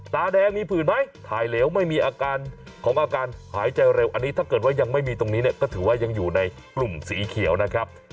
ตาแดงมีผื่นไหมถ่ายเหลวไม่มีอาการของอาการหายใจเร็วอันนี้ถ้าเกิดว่ายังไม่มีตรงนี้เนี่ยก็ถือว่ายังอยู่ในกลุ่มสีเขียวนะครับ